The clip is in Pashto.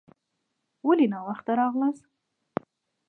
ولي ناوخته راغلاست؟